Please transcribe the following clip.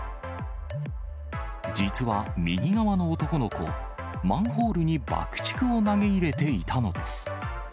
実は、右側の男の子、マンホールに爆竹を投げ入れていたのです。